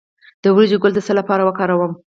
د وریجو ګل د څه لپاره وکاروم؟